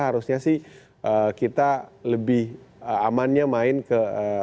harusnya sih kita lebih amannya main ke